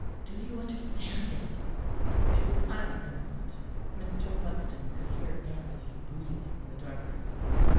Do you understand it?" There was silence a moment; Mr. Buxton could hear Anthony breathing in the darkness.